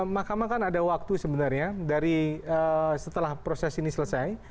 mahkamah kan ada waktu sebenarnya dari setelah proses ini selesai